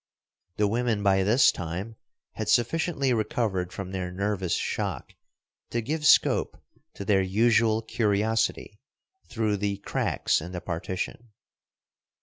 The women by this time had sufficiently recovered from their nervous shock to give scope to their usual curiosity through the cracks in the partition.